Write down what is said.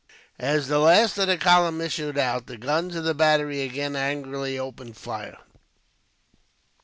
As the last of the column issued out, the guns of the battery again angrily opened fire.